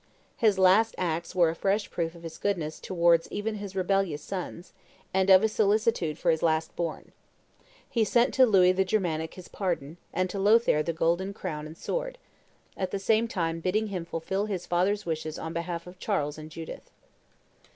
His last acts were a fresh proof of his goodness towards even his rebellious sons, and of his solicitude for his last born. He sent to Louis the Germanic his pardon, and to Lothaire the golden crown and sword, at the same time bidding him fulfil his father's wishes on behalf of Charles and Judith.